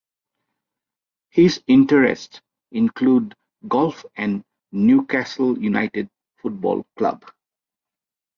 His interests include golf and Newcastle United Football Club.